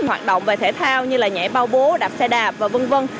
hoạt động về thể thao như là nhảy bao bố đạp xe đạp và vân vân